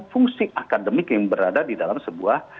fungsi akademik yang berada di dalam sebuah